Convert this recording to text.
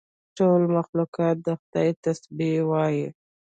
ټول مخلوقات د خدای تسبیح وایي.